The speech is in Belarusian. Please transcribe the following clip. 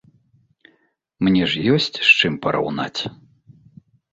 Мне ж ёсць з чым параўнаць.